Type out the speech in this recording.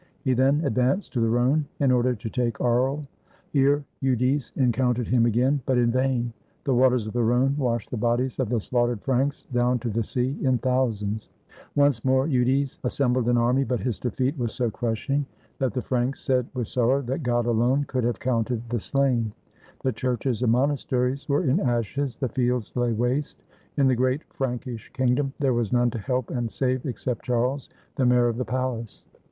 He then advanced to the Rhone in order to take Aries. Here Eudes encountered him again, but in vain ; the waters of the Rhone washed the bodies of the slaughtered Franks down to the sea in thousands. Once more Eudes assembled an army, but his defeat was 155 FRANCE so crushing that the Franks said with sorrow that God alone could have counted the slain. The churches and monasteries were in ashes, the fields lay waste; in the great Frankish kingdom there was none to help and save except Charles, the mayor of the palace.